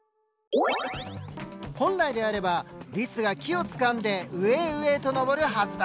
本来であればリスが木をつかんで上へ上へと登るはずだった。